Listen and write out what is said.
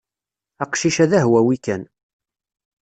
Aqcic-a d ahwawi kan.